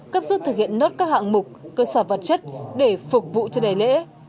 cấp rút thực hiện nốt các hạng mục cơ sở vật chất để phục vụ cho đại lễ